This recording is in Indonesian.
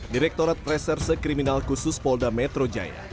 direktorat preser sekriminal khusus polda metro jaya